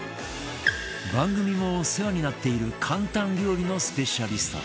番組もお世話になっている簡単料理のスペシャリスト